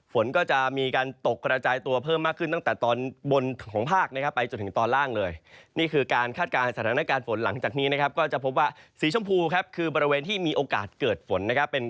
ฝนก็จะมีการตกระจายตัวเพิ่มมากขึ้น